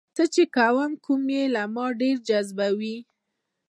څه چې وکړم کوم یې ما ډېر جذبوي؟